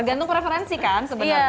tergantung preferensi kan sebenarnya